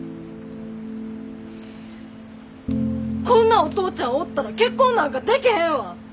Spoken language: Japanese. こんなお父ちゃんおったら結婚なんかでけへんわ！